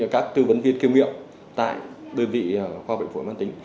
các tư vấn viên kêu miệng tại đơn vị khoa bệnh phổi mạng tính